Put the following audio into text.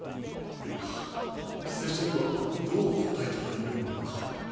いや拙者にはどう答えたらよいものか。